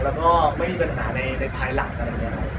แล้วก็ไม่มีปัญหาในภายหลักก็ได้